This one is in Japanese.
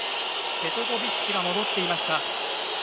ペトコヴィッチが戻っていました。